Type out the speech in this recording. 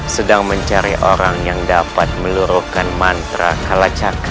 sedang mencari orang yang dapat meluruhkan mantra kalacak